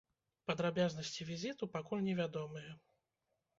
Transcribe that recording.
Падрабязнасці візіту пакуль невядомыя.